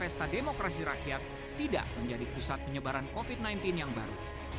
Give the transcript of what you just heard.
dan pesta demokrasi rakyat tidak menjadi pusat penyebaran covid sembilan belas yang baru